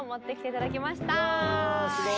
わすごい。